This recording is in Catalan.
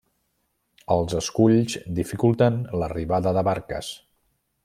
Els esculls dificulten l'arribada de barques.